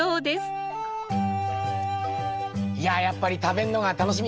やっぱり食べんのが楽しみだね。